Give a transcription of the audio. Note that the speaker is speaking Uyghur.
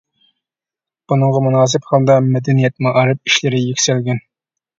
بۇنىڭغا مۇناسىپ ھالدا مەدەنىيەت-مائارىپ ئىشلىرى يۈكسەلگەن.